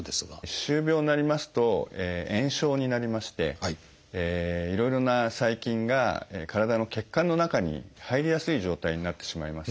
歯周病になりますと炎症になりましていろいろな細菌が体の血管の中に入りやすい状態になってしまいます。